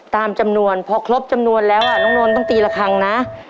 ตามจำนวนพอครบจำนวนแล้วน้องนนท์ต้องตีละครั้งนะ